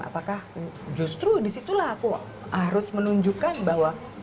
apakah justru disitulah aku harus menunjukkan bahwa